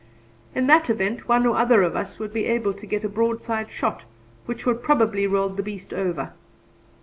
In that event one or other of us would be able to get in a broadside shot, which would probably roll the beast over.